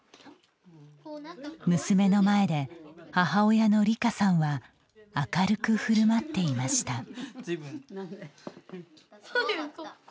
娘の前で母親の吏佳さんは明るくふるまっていました。